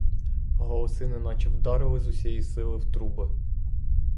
Голоси неначе вдарили з усієї сили в труби.